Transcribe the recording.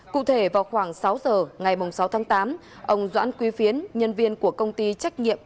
cụ thể vào khoảng sáu giờ ngày sáu tháng tám ông doãn quy phiến nhân viên của công ty trách nhiệm